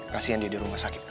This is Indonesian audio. kasian dia di rumah sakit